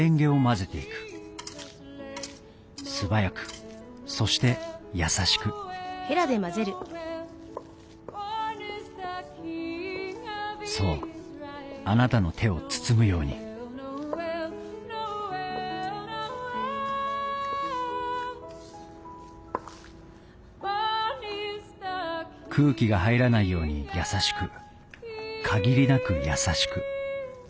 素早くそして優しくそうあなたの手を包むように空気が入らないように優しく限りなく優しく。